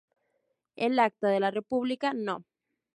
El Acta de la República No.